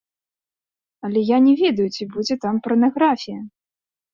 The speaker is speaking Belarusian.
Але я не ведаю, ці будзе там парнаграфія.